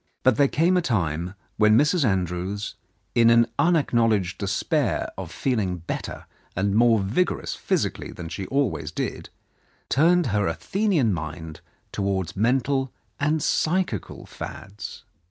But the time came when Mrs. Andrews, in an un acknowledged despair of feeling better and more vigorous physically than she always did, turned her Athenian mind towards mental and psychical fads.